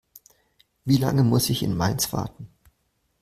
Wie lange muss ich in Mainz warten?